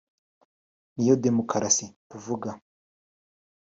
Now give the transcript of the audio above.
ni yo demokarasi tuvuga